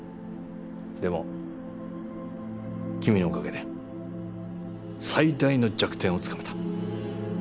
でも君のおかげで最大の弱点をつかめた。